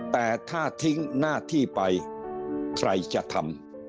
แต่ถ้าทิ้งหน้าที่ไปใครจะทำ